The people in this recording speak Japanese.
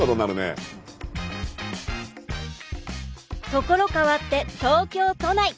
ところ変わって東京都内。